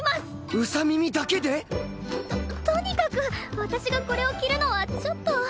ウサ耳だけで！？ととにかく私がこれを着るのはちょっと。